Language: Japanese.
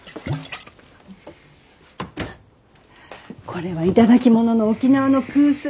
これは頂き物の沖縄の古酒。